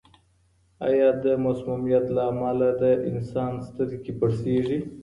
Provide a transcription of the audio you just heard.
آیا د مسمومیت له امله د انسان سترګې پړسېږي؟